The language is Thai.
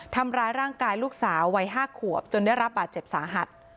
ทำร้ายร่างกายลูกสาววัย๕ขวบจนได้รับบาดเจ็บสาหัส